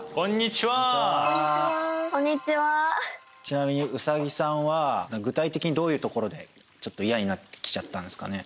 ちなみにうさぎさんは具体的にどういうところでちょっといやになってきちゃったんすかね？